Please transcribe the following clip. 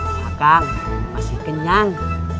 pak kang masih kenyang